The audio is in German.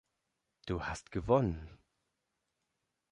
Du hast gewonnen!